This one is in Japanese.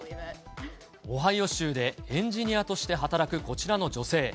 オハイオ州でエンジニアとして働くこちらの女性。